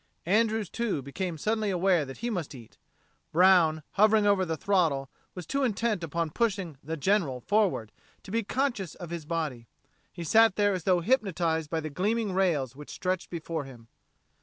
Andrews, too, became suddenly aware that he must eat. Brown, hovering over the throttle, was too intent upon pushing the General forward to be conscious of his body. He sat there as though hypnotized by the gleaming rails which stretched before him.